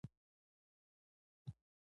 وادي د افغانستان د شنو سیمو ښکلا ده.